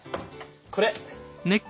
これ！